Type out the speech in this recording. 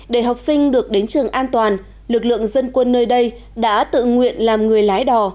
để học sinh được đến trường an toàn lực lượng dân quân nơi đây đã tự nguyện làm người lái đò